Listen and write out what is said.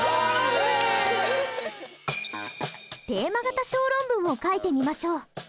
テーマ型小論文を書いてみましょう。